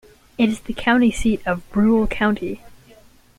It is the county seat of Brule County.